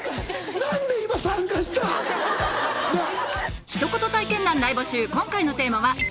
何で今参加した⁉なぁ。